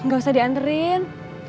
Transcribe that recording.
nggak usah dianterin